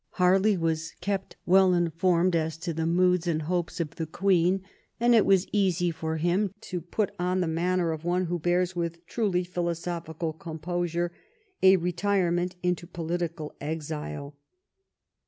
Harley was kept well informed as to the moods and hopes of the Queen, and it was easy for him to put on the manner of one who bears with truly philosophical composure a retirement into political exile.